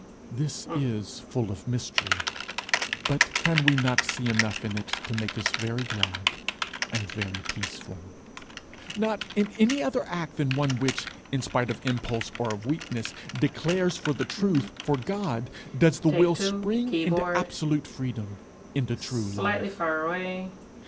This is full of mystery, but can we not see enough in it to make us very glad and very peaceful? Not in any other act than one which, in spite of impulse or of weakness, declares for the Truth, for God, does the will spring into absolute freedom, into true life.